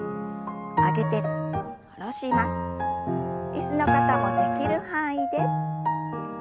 椅子の方もできる範囲で。